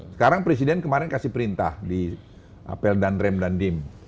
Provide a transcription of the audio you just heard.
sekarang presiden kemarin kasih perintah di apel dan rem dan dim